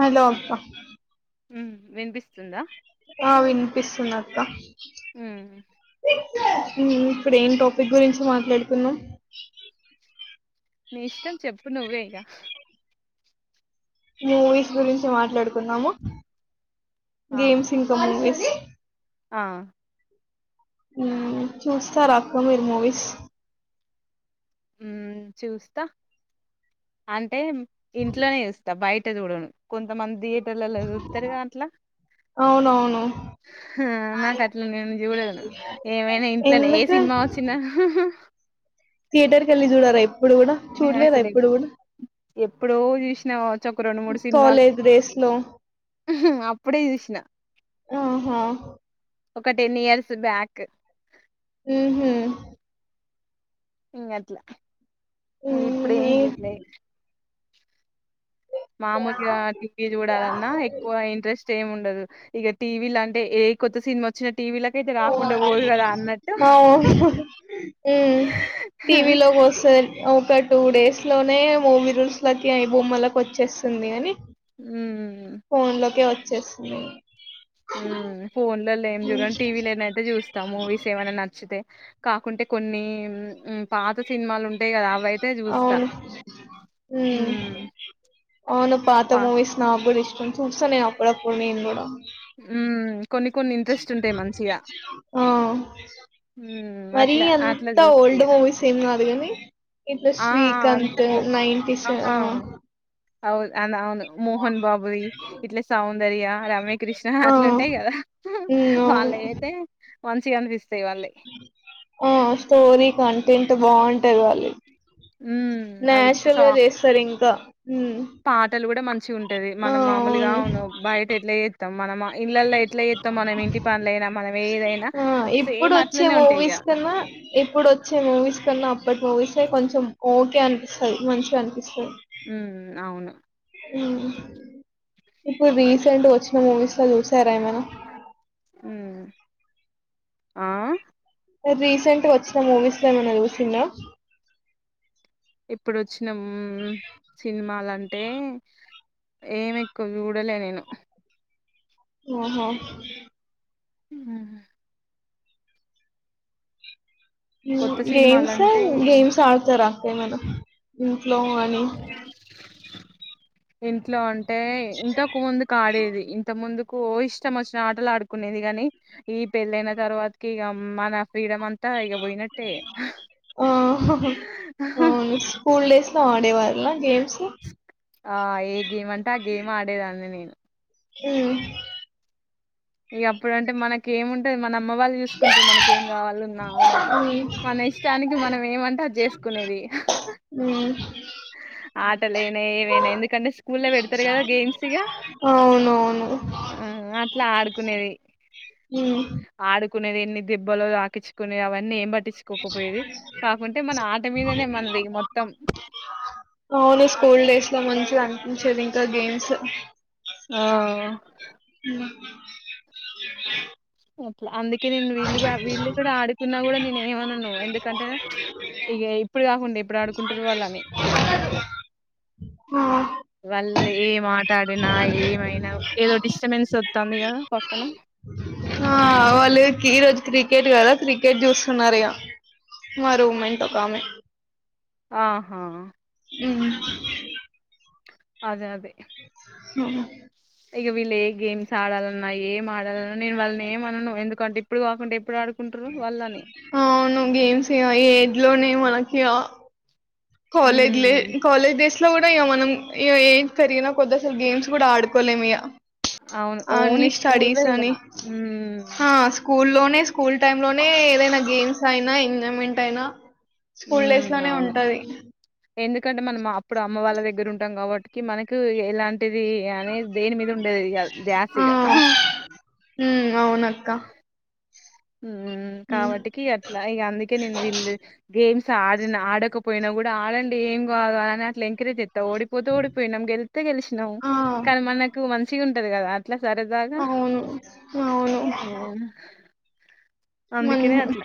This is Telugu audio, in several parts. హలో అక్క హమ్ వినిపిస్తుంద ఆ వినిపిస్తుంది అక్క హమ్ ఇప్పుడ ఏం టపిక్ గురించి మాట్లాడుకున్నాం నీ ఇష్టం చెప్పు నువ్వే ఇగ మూవీస్ గురించి మాట్లాడుకుందాము ఆ గేమ్స్ ఇంక మూవీస్ ఆ హమ్ చూస్తార అక్క మీరు మూవీస్ ఉ చూస్తా అంటే ఇంట్లోనే ఇస్తా బయ్ టె చూడను కొంతమంది లలో సూత్తరు కదా అట్ల అవునవును హమ్ నాకు అట్ల నేను చూడను ఏమైనా ఇంట్లో ఏ ఎందుకు సినిమా వచ్చిన థియేటర్ కెళ్ళి జూడలే ఇప్పుడు గుడా నేను చూడలేదా అసలు ఎప్- ఇప్పుడు కూడా ఎప్పుడో చూసినావా కాలేజ్ డేస్లో హమ్ అప్పుడే చూసిన ఆహా ఒక టెన్ ఇయర్స్ బ్యాక్ మ్ హూ ఇంగట్ల మ్ ఇప్పుడేం జూడ్లె మామూలుగా టీవీ జూడాలన్నా ఎక్కువ ఇంట్రెస్ట్ ఏం ఉండదు ఇగ టీవీలంటే ఏ కొత్త సినిమా వచ్చిన టీవీలకైతే రాకుండా పోదు కదా అన్నట్టు అవు హమ్ టీవీలో ఎ వస్త ఒకటి టూ డేస్లోనే మూవీ రూల్స్ లాకి ఐ బొమ్మలకి వచ్చేస్తుంది అని మ్ ఫోన్లోకి వచ్ చేస్తున్నాయి మ్ ఫోన్లలో ఏం చూడ గాని టీవీలోనైతే చూస్తాం మూవీస్ ఏమైనా నచ్చితే కాకుంటే కొన్ని హ్మ్ పాత సినిమాలు ఉంటాయి కదా అవయితే చూస్తా అవును మ్ హ్మ్ అవును పాత పా మూవీస్ నాగుడా ఇష్టం చూస్తనే అప్పుడప్పుడు నేను గూడా మ్ ఆ హ్మ్ మరీ అట్లా అట్లా అంత చూస్తా ఓల్డ్ ఇగ మూవీస్ ఏం గాదు గానీ ఇట్లా ఆ ఆ అంత శ్రీకాంత్ ఓ నైంటీస్ ఆ అవును అ అవును మోహన్ బాబువి ఇట్ల సౌందర్య రమ్య కృష్ణ ఆ అట్ల ఉంటయి గదా ఉమ్ వాళ్ళ అవును ఐతే మంచి గనిపిస్త ఆ స్టోరి కంటెంట్ ట్ బావుంటయ్ వాళ్ళయి మ్ అవి సా ఇంకా ఉమ్ పాటలు గూడా మంచిగుంటది మనం మామూలుగా అవును బయట ఎట్ల చే త్తం మనమా మనం ఏదైనా ఆ ఇప్పుడు సేమ్ వచ్చే అట్లనే ఉంటాయి ఇక మూవీస్ కన్నా ఇప్పుడువచ్చే మూవీస్ కన్నా అప్పటి మూవీస్ ఏ కొంచెం ఓకే అనిపిస్తది మంచిగా అనిపిస్తది మ్ అవును మ్ ఇప్పుడు రీసెంట్ వచ్చిన మూవీస్ లో చూస్ తారేమైనా ఉమ్ ఆ రీసెంట్ గా వచ్చిన మూవీస్ ఏమైనా జూసిండా ఇప్పుడు వచ్చిన మ్ సినిమాలంటే ఏం ఎక్కువ చూడలే నేను ఆహో ఉమ్, కొత్త గేమ్స్ సినిమాలంటే గేమ్స్ ఆడతారా ప్రేమలో ఇంట్లో అని ఇంట్లో అన్ టే ఇంతక ముందుకు ఆడేది ఇంత ముందు కు ఇష్టం వచ్చిన ఆటలు ఆడుకునేది గాని ఈ పెళ్ళైన తర్వాతకి ఇగ మన ఫ్రీడమ్ అం తా ఇగ పోయినట్టే ఆ ఆడేవాళ్ళా గేమ్స్ ఆ ఏ గేమ్ అంటే ఆ గేమ్ ఆడేదాన్ని నేను ఉమ్మ్ ఇగ అప్పుడుంటే మనకి ఏముంటది మనం మ్మ్ వాళ్ళు చూసుకుంటు మన ఏం కావాలన్నా మ్మ్ మన ఇష్టానికి మనం ఏమంటే అది చేసుకునేది మ్మ్ ఆటలైనా ఏదైనా ఎందుకంటే స్కూల్ ల పెడతారు కదా గేమ్స్ ఇగ అవునవును అలా కునేది మ్మ్ ఆడు కునేది ఎన్ని దెబ్బలో తాకిచ్చుకునేది అవన్నీ ఏంబట్ మీదనే మనది మొత్తం అవును స్కూల్ డేస్ లో మంచిగన్ ఉంచేది ఇంక గేమ్స్ ఆ బ అట్లా అందుకే నేను వీళ్ళు కూడా వీళ్ళు కూడా ఆడుకున్నా కూడా నేను ఏమనను ఎందుకంటే ఇగ ఇప్పుడు కాకుంటే ఎప్పుడు ఆడుకుంటది వాళ్ళు అని ఆ వాళ్ళు ఏం ఆట ఆడినా ఏమైనా ఏదో డిస్టబెన్స్ వస్తుంది కదా పక్కన ఆ వాళ్ళకి ఈ రోజు క్రికెట్ కదా క్రికెట్ చూస్తున్నారు ఇగ మా రూమ్మెంట్ ఒక ఆమె ఆహా ఉమ్ అదే అదే హ ఇగ వీళ్ళు ఏ గేమ్స్ ఆడాల నా ఏం ఆడలన్నా నేను వాళ్ళని ఏమనను ఎందుకంటే ఇప్పుడు కాకుంటే ఎప్పుడడ్ అవును గేమ్స్ ఎ జ్ లోనే మనకి ఆ కాలేజ్ లే ఉమ్. కాలేజ్ డేస్ ఇట్లో కూడా ఇగ మనం ఇగ ఏజ్ పెరిగిన కొద్ది అసలు గేమ్స్ కూడా ఆడుకోలేం ఇగ అవును ఓన్లీ స్కూల్ ఏ ఇగ హు స్కూ లోనే స్కూల్ టైమ్ లోనే ఏదైనా గేమ్స్ అయినా ఎంజాయ్మెంట్ అయినా స్కూల్ డేస్ హ్మ్ లోనే అవును ఉంటది ఎందుకంటే మనం అప్పుడు అమ్మ వాళ్ళ దగ్గర ఉంటాం కాబట్టి మనకు ఎలాం టీది అనేది దేని మీద ఉండేది కాదు ద్యాసిగా హు అవునక్క హు కాబట్టికి అట్లా ఇగ అందుకే నేను వీళ్ళు గేమ్స్ ఆడిన ఆడకపోయినా కూడా ఆడండి ఏం కాదు అని ఎంకరేజ్ చెస్తా ఓడిపోతే ఓడిపోయినాం గెళ్తే గలిశినాం ఆ కానీ మనకు మంచిగుం టది కదా అట్లా సరదాగా అవును అవును మన్ అందుకేనేే అట్ల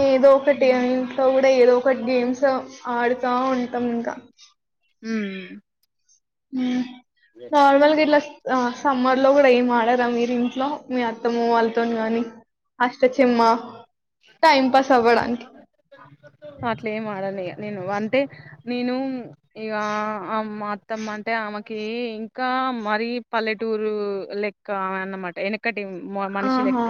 ఏదో ఒకటి ఇంట్లో కూడా ఏదో ఒకటి గేమ్స్ ఆడు గా ఉంటాం ఇంకా మ్ హు నర్మల్గిట్లా ఆ సమ్మర్ లో కూడా ఏం ఆడారా మీరు ఇంట్లో మీ అత్తమ్మ వాళ్ళతో గాని అష్టచమ్మ టైం పాస్ అవ్వడానికి అట్లే ఏం ఆడనిగ నేను వంటే నేను ఇగ అమ్మ త్ మత్తం అంటే ఆమెకి ఇంకా మరీ పల్లెటూరు లెక్క ఆమె అన్నమాట ఎనకట్ టీ ఆహా మనిషులెక్క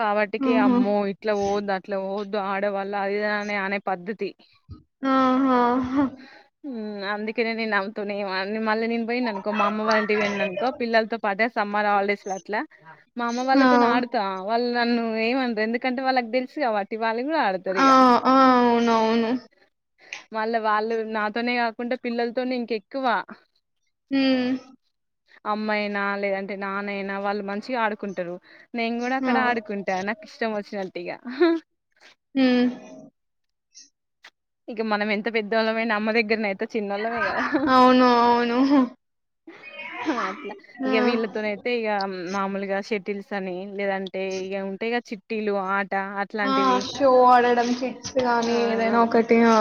కాబట్టికి ఆహా అమ్మో ఇట్లా పోవద్దు అట్లా పోవద్దు ఆడ వల్ల అది ఇది అనే పద్ధతి ఆహ హు అందుకనే నేను ఆమెతోని ఎం ఆన్ మళ్ళీ నేన్ పోయిన్ననుకో మా అమ్మ వాళ్ళంటికి పోయిననుకో పిల్లతో పాటే సమ్మర్ హాలిడేస్ లో అట్ల మా అమ్మ ఆ వాళ్ళతో నా ఆడుతా వాళ్ళ నన్ను ఏమానరు ఎందుకంటే వాళ్ళకి తెలిసి కాబ వాళ్ళు కూడా ఆడుతారు ఆ ఇగ ఆ అవునవును వాళ్ళ వాళ్ళు నాతోనే కాకుండా పిల్లలతోనే ఇంక ఎక్కువ హ్మ్ అమ్మాయినా లేదంటే నాన్నయినా వాళ్ళు మంచిగా ఆడుకుంటురు నేను కూడా ఆ అక్కడ ఆడుకుంటా నాకు ఇష్టం వచ్చిన టిగా హ్మ్ ఇక మనం ఎంత పెద్దవాళ్ళమైన అమ్మ దగ్గరనయి ఇక చిన్నోళ్ళమే కదా అవును అవును అట్ల ఇక ఆ వీళ్ళతోనయితే ఇగ మాములుగా సే తెల్సానిన్ లేదంటే ఇగ ఉంటాయి కదా చిట్ టిలు ఆ ఆ అట్లాంటివి షో ఆడడం కిడ్స్ గానీ ఆ ఏదైనా ఒకటి ఆ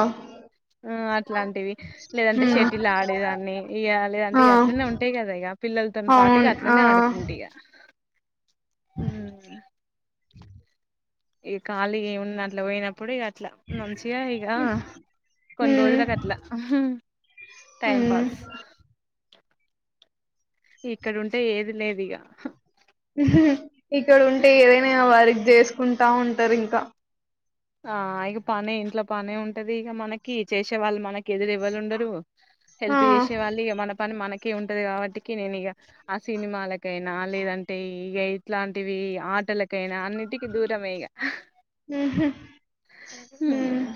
ఆ అట్లాంటివి లేదంటే హ్మ్ శేటిల్ ఆడేదాన్ని ఇగ లేదంట ఆ ఇ అట్లనే ఉంటాయి కదా ఇగ పిల్లలతో పాటుగా అవును ఆ అట్లనే ఆడుకుంటి ఇగ హ్మ్ ఈ ఖాళీగా ఏమున్న అట్ల పోయినప్పుడు ఇగ ట్ల మంచిగా ఇగ కొన్ని హ్మ్ రోజుల కట్ల టైమ్ హ్మ్ పాస్ ఇక్కడ ఉంటే ఏది లేదు ఇగ ఇక్కడ ఉంటే ఏదైనా వర్క్ చేసుకుంటా ఉంటారు ఇంకా ఆ ఇగ పనే ఇంట్లో పనే ఉంటది ఇగ మనకి చేసే వాళ్ళు మన ఎదురు ఎవరు ఉండరు ఆ హెల్ప్ చేసే వాళ్ళు మన పని మన ఉంటది కాబట్టి నేను ఇగ ఆ సినిమాలకైనా లేదంటే ఇట్లాంటివి ఆటల కైన అన్నిటికి దూరమే ఇగ ఉహు హ్మ్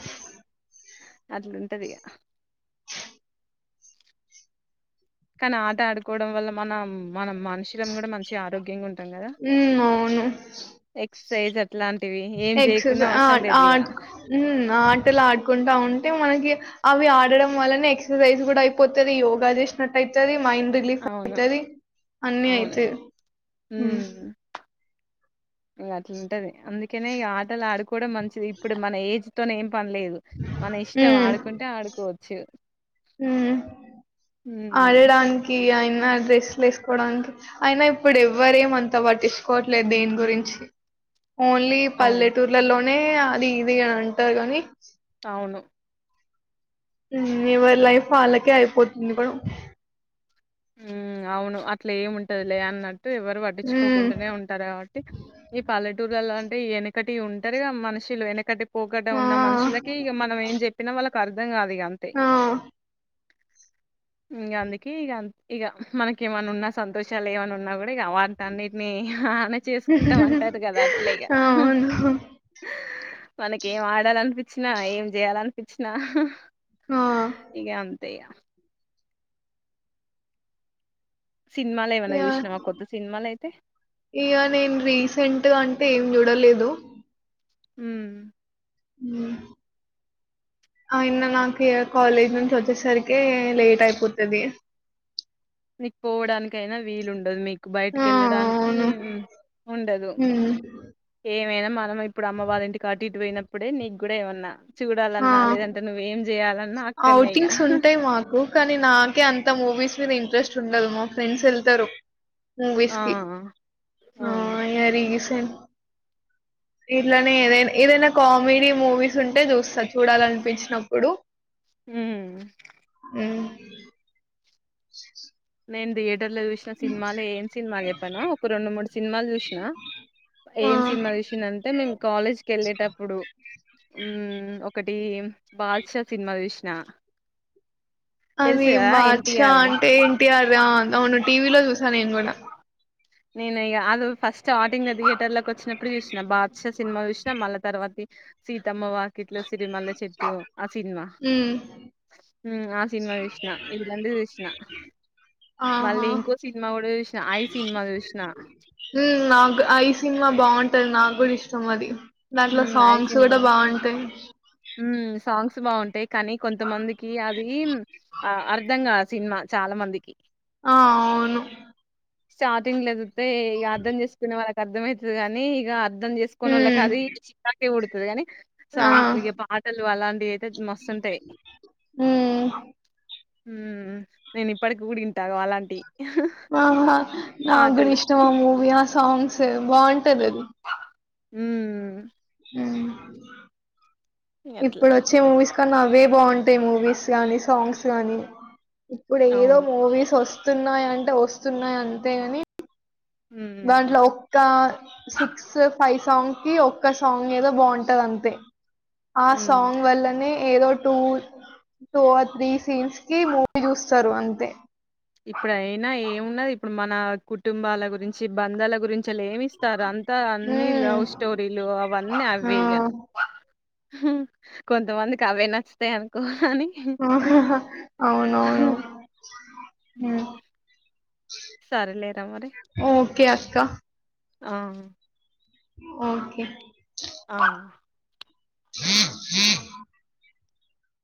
అట్ల ఉంటది ఇగ కానీ ఆట ఆడుకోవడం వల్ల మనం మనం మనుషులం కూడా మంచి గ ఆరోగ్యంగా ఉంటాం కదా హ్మ్ ఎక్స సే జ్ ఎక్ససై ఆ ఇగ ఆట్ హ్మ్ ఆటలా ఆ కుంటా ఉంటే మనకి అవి ఆడడం వలన ఎక్సర్సైజ్ కూడా అయిపోతది యోగ చేసినట్టు అయితది మైండ్ రిలీఫ్ అవును అయితది అన్ని అవును అయితాయి హ్మ్ ఉమ్ ఇగ అట్లుంటది అందుకనే ఆటలు ఆడుకోవడం మంచిది ఇప్పుడు మన ఏజ్ తోనే ఏం పనిలేదు మన ఇష్టం ఆడుకుంటే ఆడుకోవచ్చు ఊమ్ ఉమ్ ఆడడానికి అయిన్ అ డ్రెస్లు వేసుకోవడానికి అయినా ఇప్పుడు ఎవ్వర ఏమ అంతా బట్టిచుకోవట్లేదు దీని గురించి ఓన్లీ అవును పల్లెటూర్లలో నే అది ఇది అని అంటారు గానీ అవును ఊ ఎవరి లైఫ్ వాళ్ళకే అయిపోతుంది ఇగ ఊ అవును అట్లా ఏముంటదిలే అన్నట్ ఎవరు మ్మ్ వడ్డించుకోకుండానే ఉంటారు గాబట్టి ఈ పలెటూరు గలంటే ఎనకటి ఉంటారుగా మనుషులు ఎనకటి పోకట ఆ ఉన్న మనుషులకి ఇక మనం ఏం చెప్పినా వాళ్ళకు కర్థం గాద్ ఇ అంతే ఆ ఇంగాదికే ఇగ న్ ఇగ మనకి ఏమనా ఉన్నా సంతోషాలు ఏమన్నా ఉన్నా గూడా ఇగ వంటన్నిటిని మే చేకుంటాం అంటారు గదా అట్లే ఆ అవును మన ఏం ఆడాలనిపించిన ఏంజేయలన్ ఇచ్చిన హ హ ఆ ఇగ అం తిగా సినిమాలు ఏమన్నా ఆ చూసినావా కొత్త సినిమాలు అయితే ఇగ నేను రీసెంట్గా అంటే ఏం చూడలేదు హలో ఊ ఊ ఐనా నాకిగ కాలేజ్ నుంచి ఒచ్చేసరికి లేట్ అయిపోతది మీకు పోవడానికయినా వీలు ఉండదు మీకు బయటికి ఆ కెళ్ళడానికి అవును ఊ ఉండదు మ్మ్ ఏ మా మ ఇప్పుడు అమ్మ వారి ఇంటి కాట్ ఇటు పోయినప్పుడే నీకు కూడా ఏమన్నా ఆ చూడాలన్నా లేదంటే నువ్వేం చేయాలన్నా అక్కడనే ఇగ అఔటింగ్స్ ఉంటాయి మాకు కానీ నాకే అంత మూవీస్ మీరు ఇంట్రెస్ట్ ఉండదు మా ఫ్రెండ్స్ ఎళ్తరు ఆ విసిగి ఆ ఇగ రీసేన్ ఇట్లనే ఏదై ఏదైనా కామెడీ మూవీస్ ఉంటే జూస్తా చూడాలనిపించినప్పుడు ఊ ఉ నేన్ దేడ్ టర్లో చూసినా సినిమాలు ఏం సినిమాలు చెప్పనా ఒక రెండు మూడు సినిమాలు చూసిన ఆ ఏం సినిమా చూసినా అంటే మేము కాలేజ్ కేళ్ళేటప్పుడు మ్మ్ ఒకటి బాద్ష సినిమా చూసిన అది తెలుసు కదా బాష్ద ఎన్టీఆర్ది అంటే ఏంటిఆర్ అవును టీవీలో చూసా నేను కూడా నేన్ ఇక అదు ఫస్ట్ స్టార్టింగ్ థియేటర్ల కి వచ్చినప్పుడు చూసినా బా స్ద సినిమా చూసినాం మళ్ళ తర్వాత ఇప్ సీతమ్మ వాకిట్ ట్లో సిరిమల్ల చెట్టు ఆ సినిమా ఉమ్ మ్మ్ ఆ సినిమా చూస్నా ఇదిలాంటి చూస్నా మళ్ళీ ఆహా ఇంకో సినిమా కూడా చూస్నా ఐ సినిమా చూస్ హ్మ్ నాకు ఐ సినిమా బాగుంన్ టద్ నా గూడా ఇష్టం అది దాంట్లో మ్మ్ ఐ సాంగ్స్ కూడా సినిమా బాగుంటాయి హ్మ్ సాంగ్స్ బాగుంటాయి కానీ కొంతమందికి అది ఆ అర్ధంగాద్ సినిమా చాలా మందికి ఆ అవును స్టార్టింగ్ లేదు తే ఇగా అర్థం చేసుకునే వాళ్ళక్ అర్థమయితది గానీ ఇగా అర్ధం చేసుకొనోళ్లకి ఉమ్ అది చాకి ఉడతది గానీ సాంగ్ ఆ ఇగ పాటలు అలాంటివి అయితే మస్తుంటాయి హ్మ్ హ్మ్ నేను ఇప్పటికి గూడ ఇంట గు అలాంటి వామ్మ నా గూడ ఇష్టం ఆ మూవి ఆ సాంగ్ స్ బాగుంటది అది హుమ్ అట్లా. ఇప్పుడోచ్చే మూవీస్ క్క నవే బాగుంటాయి మూవీస్ గానీ, సాంగ్స్ గానీ. ఇప్పుడు ఏదో అవును. మూవీస్ వస్తున్నాయంటే వో స్తున్నాయి అంతే గాని దాంట్లో హ్మ్. ఒక్క సిక్స్ ఫై సాంగ్ కి ఒక్క సాంగ్ ఏదో బాగుంటది అంతే ఆ హ్మ్. సాంగ్ వల్లనే ఏదోట్ టూ ఆర్ త్రీస్ సీన్స్ కి మూవీ చూస్తరు అంతే ఇప్పుడ అయినా ఏమున్నది ఇప్పుడు మన కుటుంబాల గురించి బంధాల గురించి అలా ఏమిస్త ఇస్తారు అంతా అన్నిీ హ్మ్ లవ్ స్టోరీలు అవన్నీ ఆ అవే ఇక కొంతమందికి అవే నచ్చుతాయి అనుకో అని అవునవును ఉ హ్మ్ సార్ లేరా మరి [inaudible] ఆ ఓకే ఆ [inaudible]